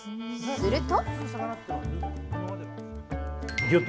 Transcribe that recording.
すると。